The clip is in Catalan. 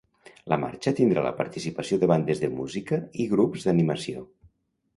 La marxa tindrà la participació de bandes de música i grups d’animació.